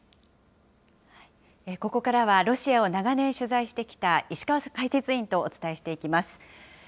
ここからはロシアを長年取材してきた石川解説委員とお伝えしていきます。